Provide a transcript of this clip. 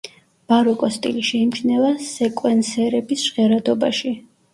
ბაროკოს სტილი შეიმჩნევა სეკვენსერების ჟღერადობაში.